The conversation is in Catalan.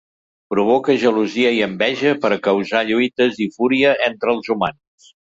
Provoca gelosia i enveja per causar lluites i fúria entre els humans.